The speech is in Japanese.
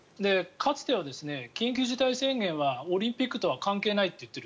かつては緊急事態宣言はオリンピックとは関係ないって言っている。